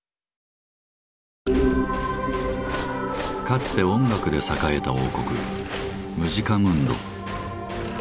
かつて音楽で栄えた王国「ムジカムンド」。